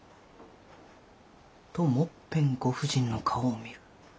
ともっぺんご婦人の顔を見る。